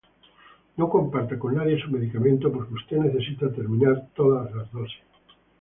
No comparta con nadie su medicamento porque usted necesita terminar toda la dosis.•